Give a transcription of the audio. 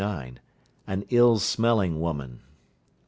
An ill smelling woman.